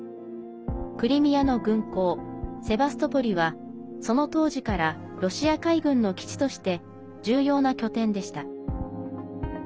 クリミアの軍港セバストポリはその当時からロシア海軍の基地として重要な拠点でした。